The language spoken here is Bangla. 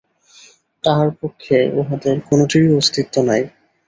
তাঁহার পক্ষে উহাদের কোনটিরই অস্তিত্ব নাই।